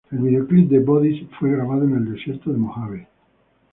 El videoclip de "Bodies" fue grabado en el Desierto de Mojave.